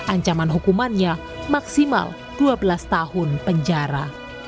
ancaman hukumannya maksimal dua belas tahun penjara